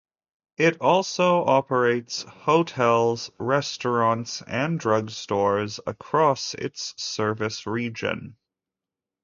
It also operates hotels, restaurants, and drugstores across its service region.